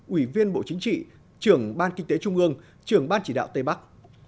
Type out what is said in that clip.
ủy viên bộ chính trị trưởng ban kinh tế trung ương trưởng ban chỉ đạo tây bắc